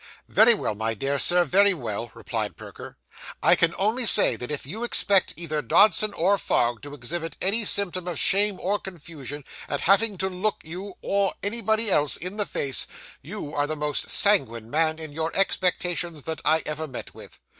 'Very well, my dear Sir, very well,' replied Perker, 'I can only say that if you expect either Dodson or Fogg to exhibit any symptom of shame or confusion at having to look you, or anybody else, in the face, you are the most sanguine man in your expectations that I ever met with.